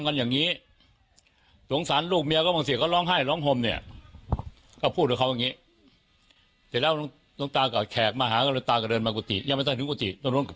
กลัวเรียกก็ยมแล้วบอกว่าอู้ยทำไมจินเขาอิ่มแล้วทำไมไปปล่อยเขาสักที